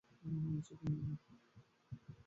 অবশ্য তুই জানিস না।